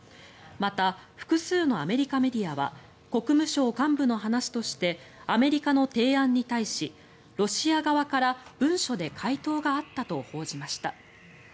また、複数のアメリカメディアは国務省幹部の話としてアメリカの提案に対しロシア側から文書で回答があったと報じました。